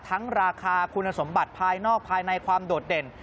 ราคาคุณสมบัติภายนอกภายในความโดดเด่น